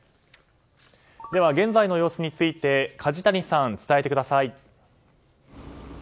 では現在の様子について梶谷さん、伝えてください。